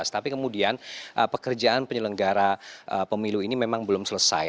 tapi kemudian pekerjaan penyelenggara pemilu ini memang belum selesai